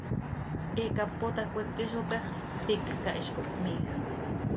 He cápota cmeque zo pexl, sficj cah, hiz cohpmiij.